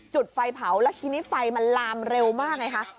จุดไฟเผาแล้วทีนี้ไฟมันลามเร็วมากไงคะ